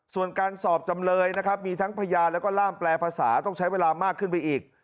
ส่วนการสอบจำเลยนะครับมีทั้งพยานแล้วก็ล่ามแปลภาษาต้องใช้เวลามากขึ้นไปอีก